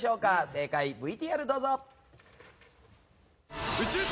正解ＶＴＲどうぞ。